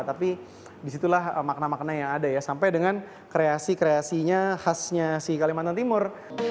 tapi disitulah makna makna yang ada ya sampai dengan kreasi kreasinya khasnya si kalimantan timur